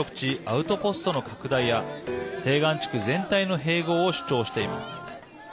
アウトポストの拡大や西岸地区全体の併合を主張しています。